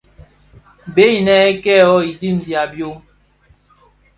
Bèè inë yê kêê wôôgh i digsigha byôm.